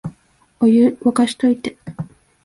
お湯、沸かしといて